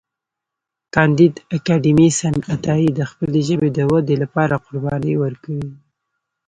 کانديد اکاډميسن عطایي د خپلې ژبې د ودې لپاره قربانۍ ورکړې دي.